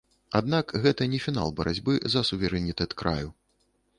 Аднак гэта не фінал барацьбы за суверэнітэт краю.